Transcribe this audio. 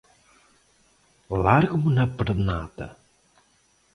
Larguemo na pernada!